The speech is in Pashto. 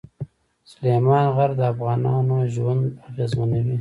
سلیمان غر د افغانانو ژوند اغېزمنوي.